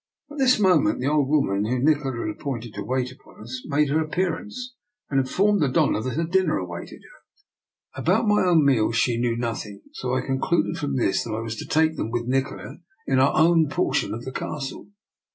At this moment the old woman whom Nikola had appointed to wait upon us, made her appearance, and informed the Doiia that her dinner awaited her. About my own meals she knew nothing, so I concluded from this that I was to take them with Nikola in our own portion of the castle.